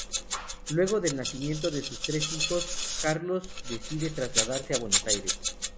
Luego del nacimiento de sus tres hijos restantes, Carlos decide trasladarse a Buenos Aires.